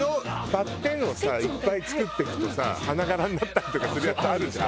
バッテンをさいっぱい作っていくとさ花柄になったりとかするやつあるじゃん。